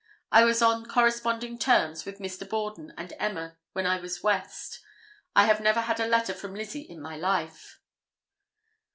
I was on corresponding terms with Mr. Borden and Emma when I was West. I never had a letter from Lizzie in my life."